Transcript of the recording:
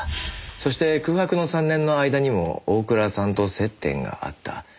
そして空白の３年の間にも大倉さんと接点があった。